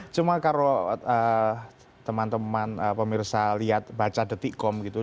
cuma kalau teman teman pemirsa lihat baca detikkom gitu